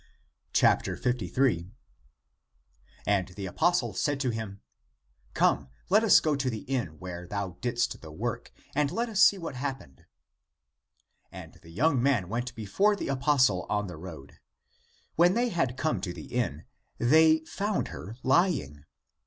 53. And the apostle said to him, " Come, let us go to the inn, where thou didst the work, and let us see what happened. And the young man went be 272 THE APOCRYPHAL ACTS fore the apostle on the road. When they had come to the inn, they found her lying.